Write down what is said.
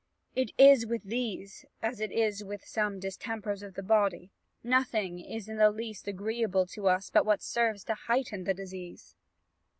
It is with these, as it is with some distempers of the body, nothing is in the least agreeable to us but what serves to heighten the disease.